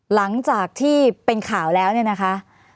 หลังจากที่เป็นข่าวแล้วเนี่ยนะคะ